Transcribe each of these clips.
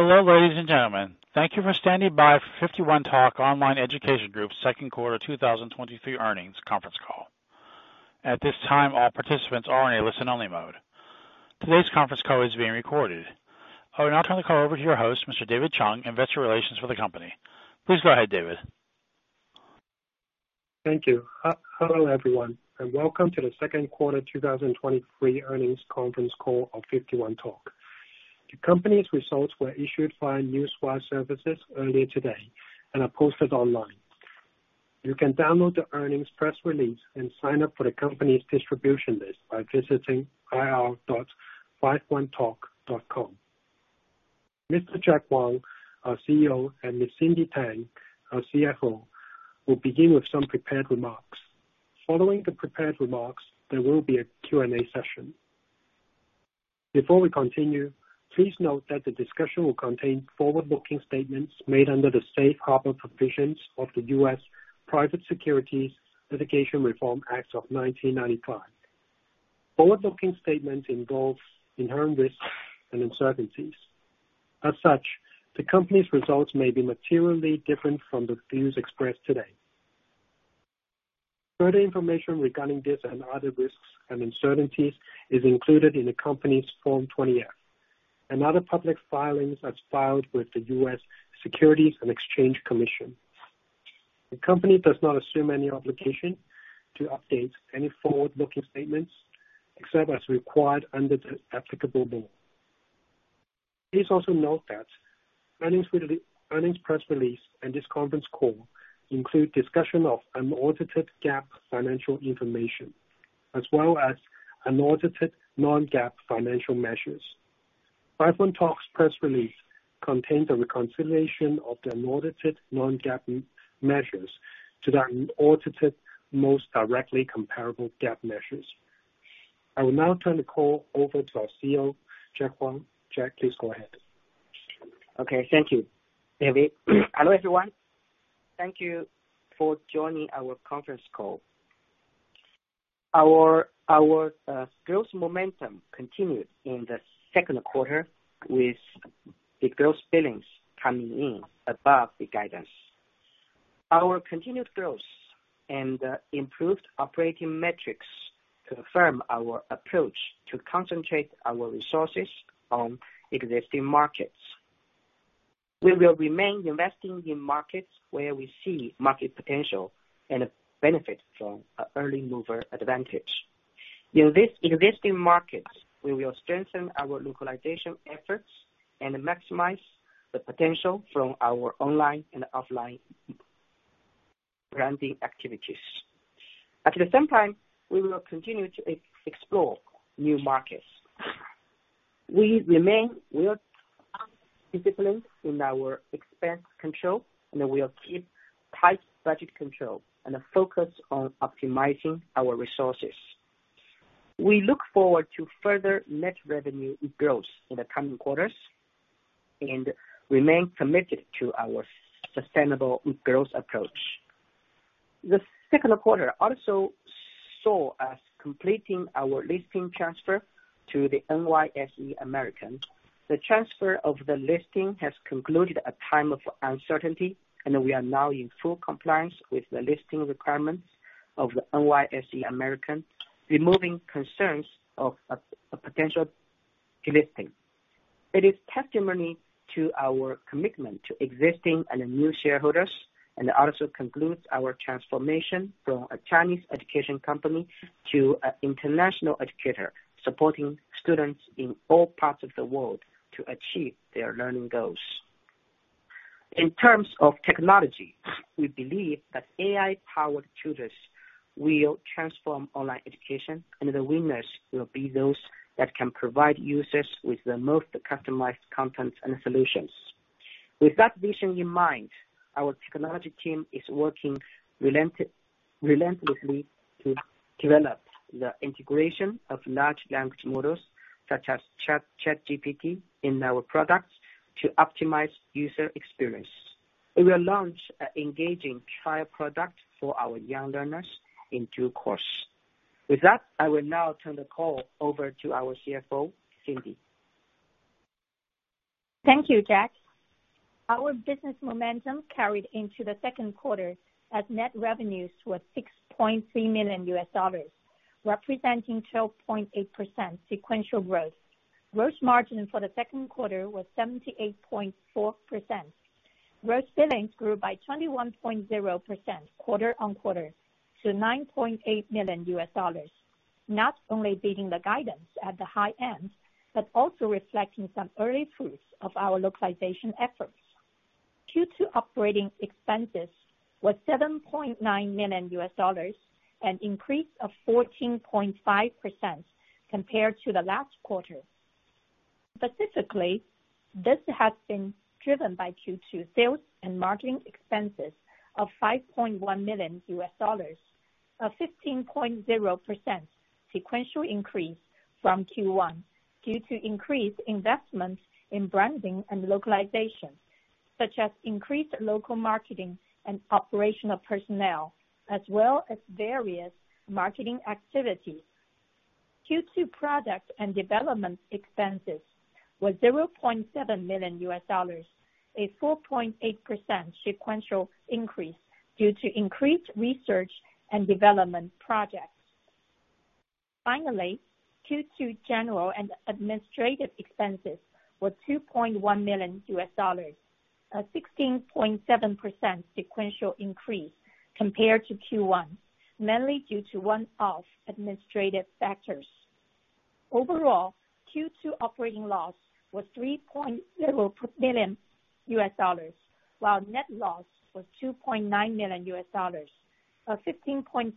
Hello, ladies and gentlemen. Thank you for standing by for 51Talk Online Education Group's Second Quarter 2023 Earnings Conference Call. At this time, all participants are in a listen-only mode. Today's conference call is being recorded. I will now turn the call over to your host, Mr. David Chung, investor relations for the company. Please go ahead, David. Thank you. Hello, everyone, and welcome to the Second Quarter 2023 Earnings Conference Call of 51Talk. The company's results were issued by Newswire Services earlier today and are posted online. You can download the earnings press release and sign up for the company's distribution list by visiting ir.51talk.com. Mr. Jack Huang, our CEO, and Ms. Cindy Tang, our CFO, will begin with some prepared remarks. Following the prepared remarks, there will be a Q&A session. Before we continue, please note that the discussion will contain forward-looking statements made under the Safe Harbor Provisions of the U.S. Private Securities Litigation Reform Act of 1995. Forward-looking statements involve inherent risks and uncertainties. As such, the company's results may be materially different from the views expressed today. Further information regarding this and other risks and uncertainties is included in the company's Form 20-F and other public filings as filed with the U.S. Securities and Exchange Commission. The company does not assume any obligation to update any forward-looking statements, except as required under the applicable law. Please also note that earnings release, earnings press release and this conference call include discussion of unaudited GAAP financial information, as well as unaudited non-GAAP financial measures. 51Talk's press release contains a reconciliation of the unaudited non-GAAP measures to the unaudited, most directly comparable GAAP measures. I will now turn the call over to our CEO, Jack Huang. Jack, please go ahead. Okay, thank you, David. Hello, everyone. Thank you for joining our conference call. Our growth momentum continued in the second quarter, with the gross billings coming in above the guidance. Our continued growth and improved operating metrics confirm our approach to concentrate our resources on existing markets. We will remain investing in markets where we see market potential and benefit from an early mover advantage. In this existing markets, we will strengthen our localization efforts and maximize the potential from our online and offline branding activities. At the same time, we will continue to explore new markets. We remain well disciplined in our expense control, and we will keep tight budget control and a focus on optimizing our resources. We look forward to further net revenue growth in the coming quarters and remain committed to our sustainable growth approach. The second quarter also saw us completing our listing transfer to the NYSE American. The transfer of the listing has concluded a time of uncertainty, and we are now in full compliance with the listing requirements of the NYSE American, removing concerns of a potential delisting. It is testimony to our commitment to existing and new shareholders, and it also concludes our transformation from a Chinese education company to an international educator, supporting students in all parts of the world to achieve their learning goals. In terms of technology, we believe that AI-powered tutors will transform online education, and the winners will be those that can provide users with the most customized content and solutions. With that vision in mind, our technology team is working relentlessly to develop the integration of large language models, such as ChatGPT, in our products to optimize user experience. We will launch an engaging trial product for our young learners in due course. With that, I will now turn the call over to our CFO, Cindy. Thank you, Jack. Our business momentum carried into the second quarter, as net revenues were $6.3 million, representing 12.8% sequential growth. Gross margin for the second quarter was 78.4%. Gross billings grew by 21.0% quarter-over-quarter to $9.8 million, not only beating the guidance at the high end, but also reflecting some early fruits of our localization efforts. Q2 operating expenses was $7.9 million, an increase of 14.5% compared to the last quarter. Specifically, this has been driven by Q2 sales and marketing expenses of $5.1 million, a 15.0% sequential increase from Q1 due to increased investments in branding and localization, such as increased local marketing and operational personnel, as well as various marketing activities.... Q2 product and development expenses were $0.7 million, a 4.8% sequential increase due to increased research and development projects. Finally, Q2 general and administrative expenses were $2.1 million, a 16.7% sequential increase compared to Q1, mainly due to one-off administrative factors. Overall, Q2 operating loss was $3.0 million, while net loss was $2.9 million, a 15.6%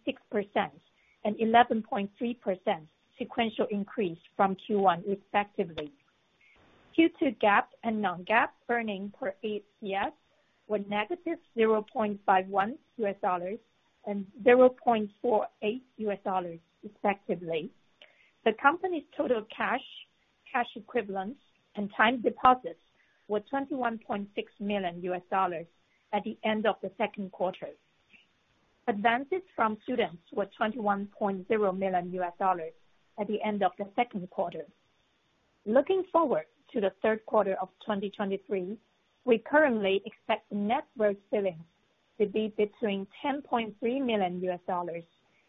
and 11.3% sequential increase from Q1, respectively. Q2 GAAP and non-GAAP earnings per ADS were negative $0.51 and $0.48, respectively. The company's total cash, cash equivalents, and time deposits were $21.6 million at the end of the second quarter. Advances from students were $21.0 million at the end of the second quarter. Looking forward to the third quarter of 2023, we currently expect net gross billings to be between $10.3 million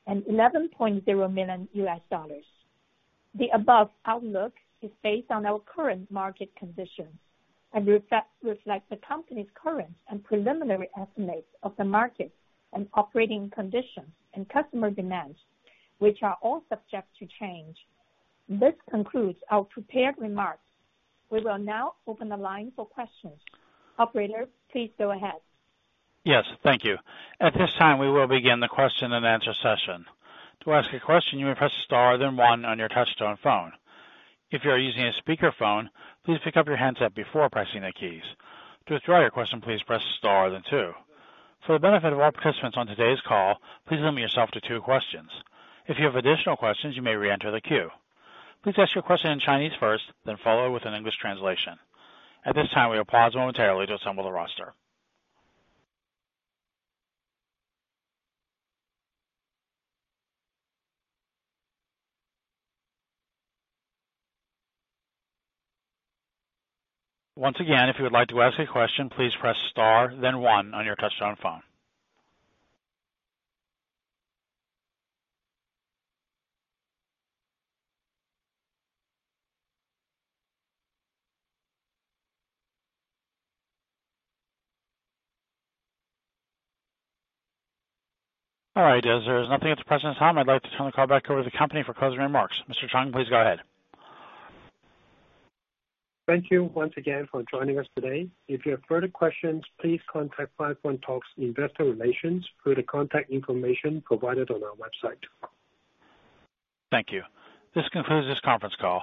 and $11.0 million. The above outlook is based on our current market conditions and reflects the company's current and preliminary estimates of the market and operating conditions and customer demands, which are all subject to change. This concludes our prepared remarks. We will now open the line for questions. Operator, please go ahead. Yes, thank you. At this time, we will begin the question-and-answer session. To ask a question, you may press star then one on your touchtone phone. If you are using a speakerphone, please pick up your handset before pressing the keys. To withdraw your question, please press star then two. For the benefit of all participants on today's call, please limit yourself to two questions. If you have additional questions, you may reenter the queue. Please ask your question in Chinese first, then follow with an English translation. At this time, we will pause momentarily to assemble the roster. Once again, if you would like to ask a question, please press star then one on your touchtone phone. All right, as there is nothing at the present time, I'd like to turn the call back over to the company for closing remarks. Mr. Chung, please go ahead. Thank you once again for joining us today. If you have further questions, please contact 51Talk's Investor Relations through the contact information provided on our website. Thank you. This concludes this conference call.